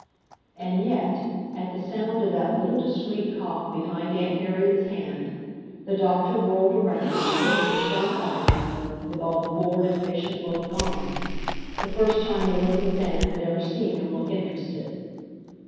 And yet, at the sound of that little discreet cough behind Aunt Harriet's hand, the doctor whirled around and fixed his sharp eyes on her, with all the bored, impatient look gone, the first time Elizabeth Ann had ever seen him look interested.